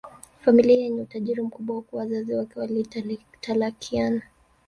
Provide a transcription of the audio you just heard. familia yenye utajiri mkubwa Huku wazazi wake walitalakiana